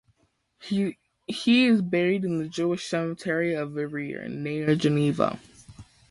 He is buried in the Jewish Cemetery of Veyrier, near Geneva.